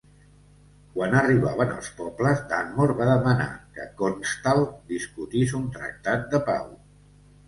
Quan arribaven als pobles, Dunmore va demanar que Cornstalk discutís un tractat de pau.